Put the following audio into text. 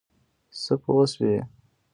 څه پوه شوې؟